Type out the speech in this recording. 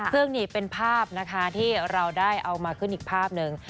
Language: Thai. ซึ่งนี่เป็นภาพนะคะที่เราได้เอามาขึ้นอีกภาพหนึ่ง